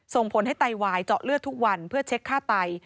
ส่งผลให้ไตวายเจาะเลือดทุกวันเพื่อเช็คค่าไต